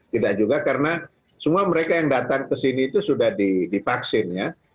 tidak juga karena semua mereka yang datang ke sini itu sudah divaksin ya